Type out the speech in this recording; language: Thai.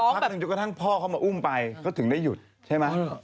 พักหนึ่งจนกระทั่งพ่อเขามาอุ้มไปก็ถึงได้หยุดใช่ไหม